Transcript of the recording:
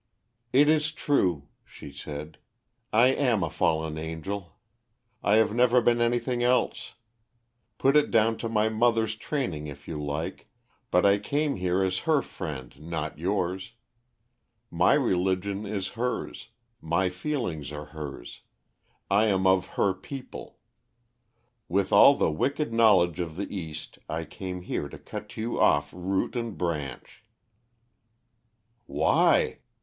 "It is true," she said, "I am a fallen angel. I have never been anything else. Put it down to my mother's training if you like, but I came here as her friend, not yours. My religion is hers, my feelings are hers; I am of her people. With all the wicked knowledge of the East I came here to cut you off root and branch." "Why?"